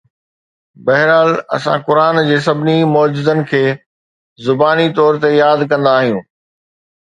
بهرحال، اسان قرآن جي سڀني معجزن کي زباني طور تي ياد ڪندا آهيون